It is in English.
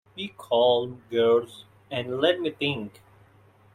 Be calm, girls, and let me think.